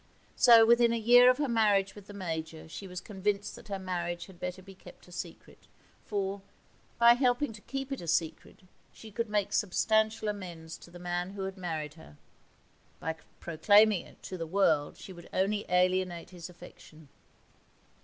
So within a year of her marriage with the Major she was convinced that her marriage had better be kept a secret; for, by helping to keep it a secret, she could make substantial amends to the man who had married her; by proclaiming it to the world, she would only alienate his affection.